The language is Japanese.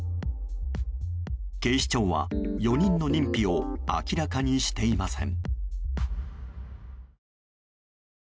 警視庁は４人の認否を明らかにしていません。